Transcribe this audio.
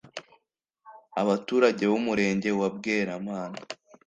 Abaturage b’umurenge wa Bweramana